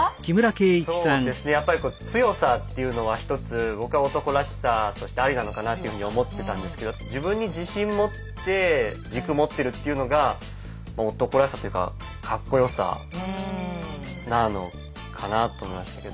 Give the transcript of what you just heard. そうですねやっぱり強さっていうのは一つ僕は男らしさとしてありなのかなっていうふうに思ってたんですけど自分に自信持って軸持ってるっていうのが男らしさというかかっこよさなのかなと思いましたけど。